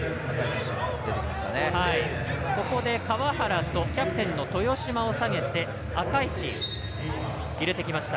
ここで川原とキャプテンの豊島を下げて赤石、入れてきました。